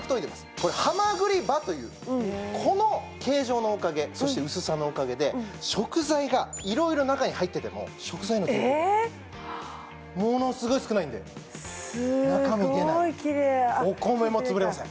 これ「ハマグリ刃」というこの形状のおかげそして薄さのおかげで食材がいろいろ中に入ってても食材への抵抗がものすごい少ないんで中身出ないお米もつぶれません